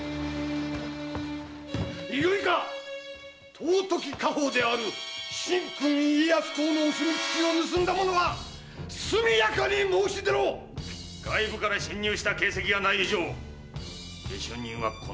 よいか⁉尊き家宝である神君・家康公のお墨付きを盗んだ者は速やかに申し出ろ‼外部から侵入した形跡がない以上下手人はこの中にいる。